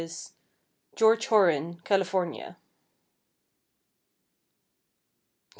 George Horine, California.